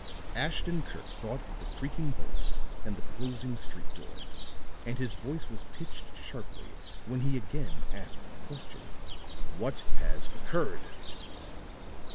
Ashton Kirk thought of the creaking bolt and the closing street door; and his voice was pitched sharply when he again asked the question: "What has occurred?"